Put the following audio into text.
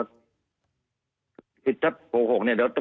ถ้าโหกเนี่ยเดี๋ยวตำรวจทักลับมาเราก็แตกครับ